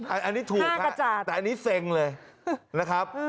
อันนี้ถูกครับแต่อันนี้เซ็งเลยนะครับ